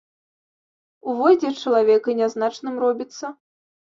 Увойдзе чалавек і нязначным робіцца.